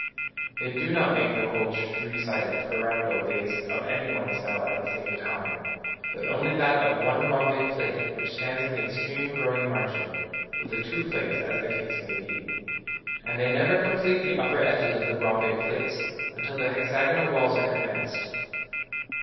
They do not make the whole three sided pyramidal base of any one cell at the same time, but only that one rhombic plate which stands on the extreme growing margin, or the two plates, as the case may be; and they never complete the upper edges of the rhombic plates, until the hexagonal walls are commenced.